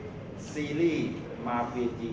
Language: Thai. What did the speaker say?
มันเป็นสิ่งที่เราไม่รู้สึกว่า